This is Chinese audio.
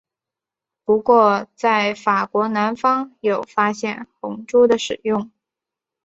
不过在法国南方有发现红赭的使用。